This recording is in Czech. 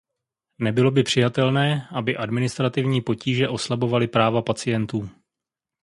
Nebylo by přijatelné, aby administrativní potíže oslabovaly práva pacientů.